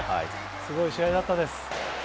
すごい試合だったです。